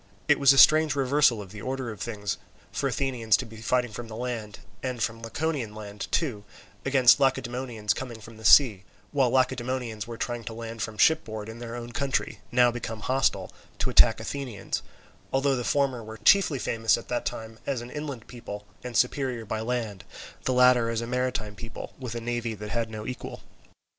It was a strange reversal of the order of things for Athenians to be fighting from the land, and from Laconian land too, against Lacedaemonians coming from the sea; while Lacedaemonians were trying to land from shipboard in their own country, now become hostile, to attack Athenians, although the former were chiefly famous at the time as an inland people and superior by land, the latter as a maritime people with a navy that had no equal.